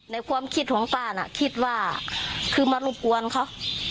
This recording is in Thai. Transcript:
ในความคิดของป้าคิดว่ามรุบกวนเขา